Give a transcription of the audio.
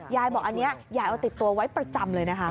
ยายบอกอันนี้ยายเอาติดตัวไว้ประจำเลยนะคะ